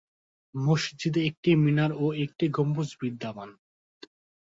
মসজিদে একটি মিনার ও একটি গম্বুজ বিদ্যমান।